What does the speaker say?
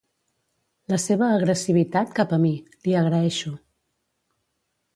La seva agressivitat cap a mi, l'hi agraeixo.